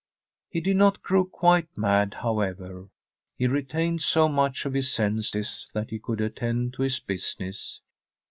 He did not grow quite mad, however ; he re tained so much of his senses that he could attend to his business.